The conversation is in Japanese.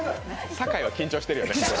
酒井は緊張してるやな。